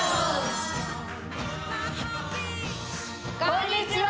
こんにちは！